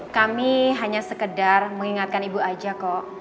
kami hanya sekedar mengingatkan ibu aja kok